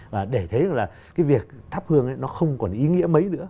và để thế là cái việc thắp hương ấy nó không còn ý nghĩa mấy nữa